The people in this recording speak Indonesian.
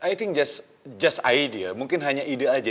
i think just idea mungkin hanya ide aja